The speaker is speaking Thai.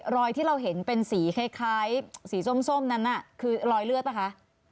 รอยที่เราเห็นเป็นสีคล้ายสีส้มนั้นน่ะคือรอยเลือดป่ะคะ